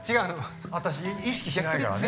私意識しないからね。